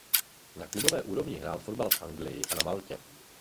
Na klubové úrovni hrál fotbal v Anglii a na Maltě.